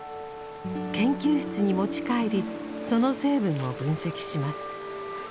研究室に持ち帰りその成分を分析します。